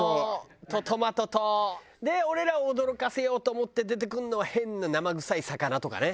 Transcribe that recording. で俺らを驚かせようと思って出てくるのは変な生臭い魚とかね。